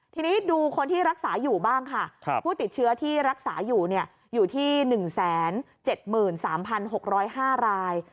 ทีนี้ดูคนที่รักษาอยู่บ้างค่ะผู้ติดเชื้อที่รักษาอยู่อยู่ที่๑๗๓๖๐๕ราย